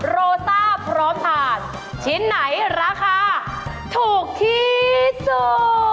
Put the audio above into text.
โรต้าพร้อมทานชิ้นไหนราคาถูกที่สุด